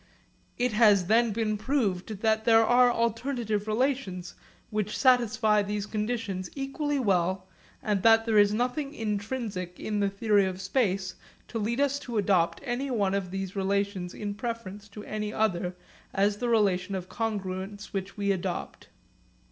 It has then been proved that there are alternative relations which satisfy these conditions equally well and that there is nothing intrinsic in the theory of space to lead us to adopt any one of these relations in preference to any other as the relation of congruence which we adopt.